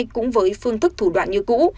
cũng với phương thức thủ đoạn như cũ